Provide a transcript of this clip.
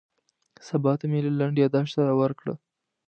سبا ته مې له لنډ یاداښت سره ورکړه.